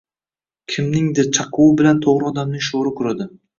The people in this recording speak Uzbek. Kimningdir chaquvi bilan to‘g‘ri odamning sho‘ri quridi